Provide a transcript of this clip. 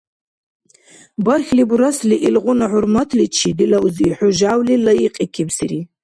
Бархьли бурасли, илгъуна хӀурматличи, дила узи, хӀу жявлил лайикьикибсири.